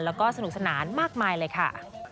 แล้วก็สนุกสนานมากมายเลยค่ะ